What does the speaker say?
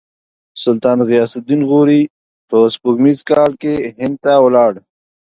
سلطان غیاث الدین غوري په سپوږمیز کال کې هند ته ولاړ.